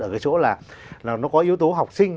ở cái chỗ là nó có yếu tố học sinh